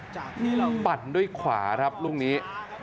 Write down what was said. จากที่เราปั่นด้วยขวาครับลุ่มนี้